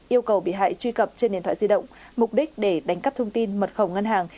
yêu cầu bị hại truy cập trên điện thoại di động mục đích để đánh cắp thông tin mật khẩu ngân hàng